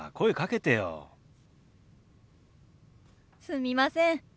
すみません。